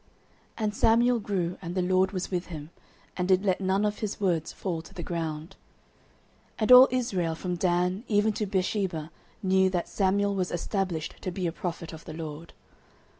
09:003:019 And Samuel grew, and the LORD was with him, and did let none of his words fall to the ground. 09:003:020 And all Israel from Dan even to Beersheba knew that Samuel was established to be a prophet of the LORD.